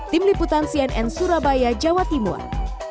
tim liputan cnn surabaya jawa timur